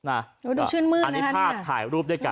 อันนี้ภาพถ่ายรูปด้วยกัน